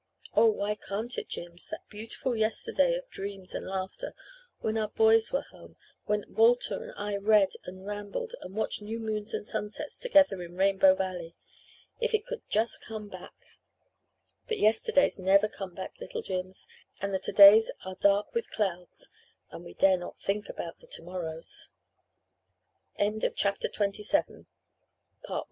"Oh, why can't it, Jims? That beautiful 'yesterday' of dreams and laughter when our boys were home when Walter and I read and rambled and watched new moons and sunsets together in Rainbow Valley. If it could just come back! But yesterdays never come back, little Jims and the todays are dark with clouds and we dare not think about the tomorrows." 11th December 1917 "Wonderful news came today. The British troops captured Jerus